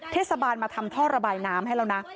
เทศบาลมาทำท่อระบายน้ำให้แล้วนะ